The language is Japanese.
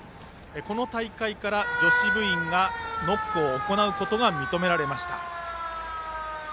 この大会から女子部員がノックを行うことが認められました。